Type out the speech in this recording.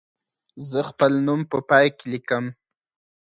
زه خپل نوم په پای کې لیکم.